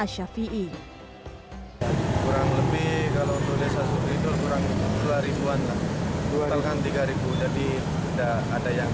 syafi'i kurang lebih kalau tulis sugeridul kurang dua ribu an dua ribu an tiga ribu jadi udah ada yang